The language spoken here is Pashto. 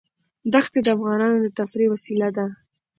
دښتې د افغانانو د تفریح وسیله ده.